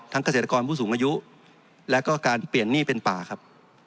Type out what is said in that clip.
เกษตรกรผู้สูงอายุและก็การเปลี่ยนหนี้เป็นป่าครับ